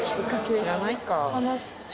知らないか？